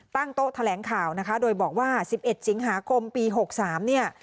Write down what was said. ตั้งโต๊ะแถลงข่าวนะคะโดยบอกว่า๑๑สิงหาคมปี๖๓เนี่ย